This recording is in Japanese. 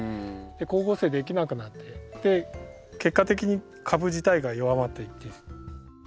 光合成できなくなって結果的に株自体が弱まっていって。